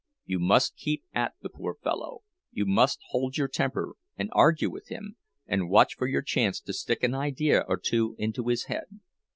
You must keep at the poor fellow; you must hold your temper, and argue with him, and watch for your chance to stick an idea or two into his head.